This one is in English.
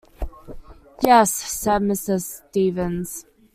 "Yes," said Mr. Stevens.